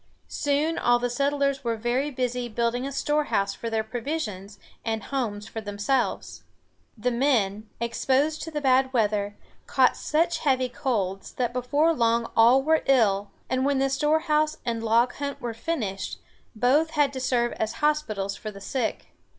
Soon all the settlers were very busy building a storehouse for their provisions, and homes for themselves. The men, exposed to the bad weather, caught such heavy colds that before long all were ill, and when the storehouse and a log hut were finished, both had to serve as hospitals for the sick.